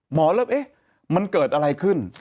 หมอเริ่มเอ๊ะมันเกิดอะไรขึ้น